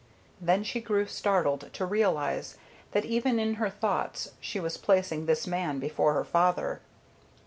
Then she grew startled to realize that even in her thoughts she was placing this man before her father.